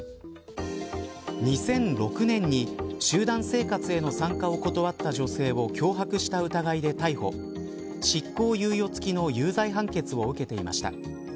２００６年に集団生活への参加を断った女性を脅迫した疑いで逮捕執行猶予付きの有罪判決を受けていました。